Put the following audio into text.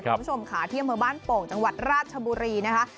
คุณผู้ชมค่ะที่อำเภอบ้านโป่งจังหวัดราชบุรีนะคะ